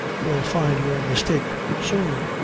You'll find your mistake soon.